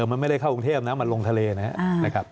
มันไม่ได้เข้ากรุงเทพนะมันลงทะเลนะครับ